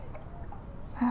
あ。